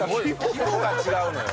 規模が違うのよ